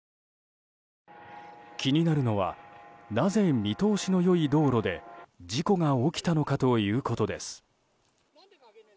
気になるのはなぜ、見通しの良い道路で事故が起きたのかということです。